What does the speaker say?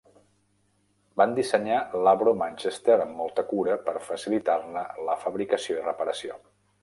Van dissenyar l'Avro Manchester amb molta cura per facilitar-ne la fabricació i reparació.